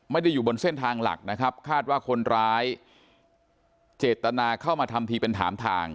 อยู่บนเส้นทางหลักนะครับคาดว่าคนร้ายเจตนาเข้ามาทำทีเป็นถามทาง